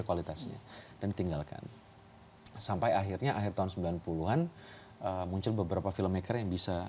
kualitasnya dan ditinggalkan sampai akhirnya akhir tahun sembilan puluh an muncul beberapa filmmaker yang bisa